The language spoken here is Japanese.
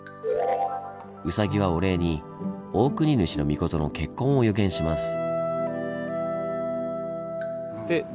ウサギはお礼に大国主命の結婚を予言します。